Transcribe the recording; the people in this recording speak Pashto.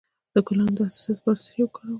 د ګلانو د حساسیت لپاره باید څه وکاروم؟